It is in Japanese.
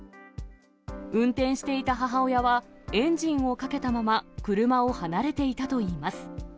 運転していた母親は、エンジンをかけたまま車を離れていたといいます。